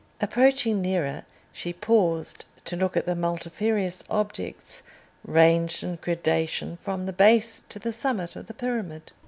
Approaching nearer, she paused to look at the multifarious objects ranged in gradation from the base to the summit of the pyramid.